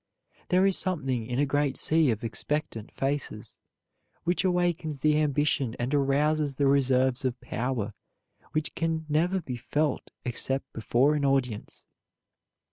There is something in a great sea of expectant faces which awakens the ambition and arouses the reserve of power which can never be felt except before an audience.